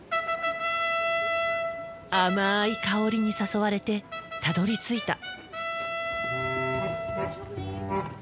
甘い香りに誘われてたどりついた。